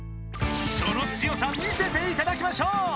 その強さ見せていただきましょう！